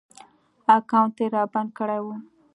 اکاونټ ېې رابند کړی و